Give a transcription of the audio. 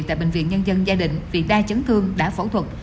tại bệnh viện nhân dân gia đình vì đa chấn thương đã phẫu thuật